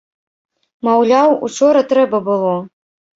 Маўляў, учора трэба было.